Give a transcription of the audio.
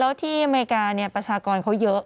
แล้วที่อเมริกาประชากรเขาเยอะ